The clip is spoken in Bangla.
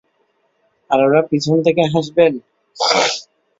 আর, ওঁরা পিছন থেকে হাসবেন?